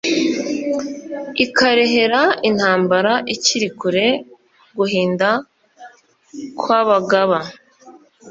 Ikarehera intambara ikiri kure guhinda kw abagaba